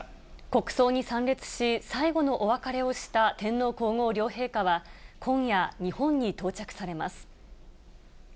国葬に参列し、最後のお別れをした天皇皇后両陛下は、今夜、日本に到着されます。